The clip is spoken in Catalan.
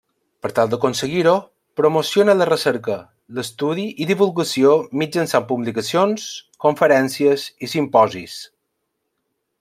Per tal d'aconseguir-ho, promociona la recerca, l'estudi i divulgació mitjançant publicacions, conferències i simposis.